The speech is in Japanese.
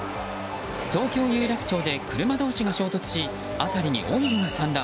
東京・有楽町で車同士が衝突し辺りにオイルが散乱。